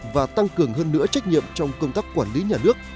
và tăng cường hơn nữa trách nhiệm trong công tác quản lý nhà nước